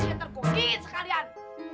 nanti aku kukingin sekalian